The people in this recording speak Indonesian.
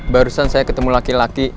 barusan saya ketemu laki laki